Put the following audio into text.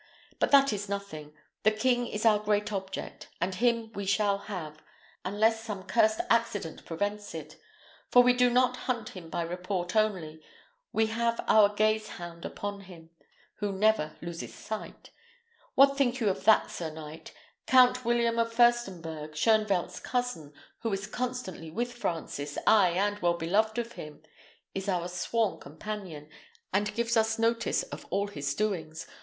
But that is nothing: the king is our great object, and him we shall have, unless some cursed accident prevents it; for we do not hunt him by report only: we have our gaze hound upon him, who never loses sight. What think you of that, sir knight? Count William of Firstenberg, Shoenvelt's cousin, who is constantly with Francis, ay, and well beloved of him, is our sworn companion, and gives us notice of all his doings.